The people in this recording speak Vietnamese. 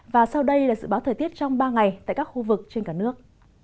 và sau đây là dự báo thời tiết trong ba ngày tại các khu vực trên cả nước